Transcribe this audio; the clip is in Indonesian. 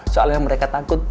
soalnya mereka takut